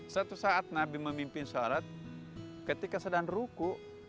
suatu saat nabi memimpin sholat ketika sedang ruku